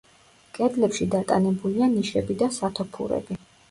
კედლებში დატანებულია ნიშები და სათოფურები.